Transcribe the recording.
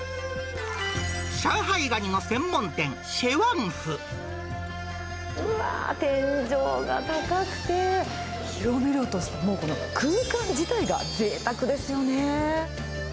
上海ガニの専門店、うわぁ、天井が高くて、広々として、もうこの空間自体がぜいたくですよね。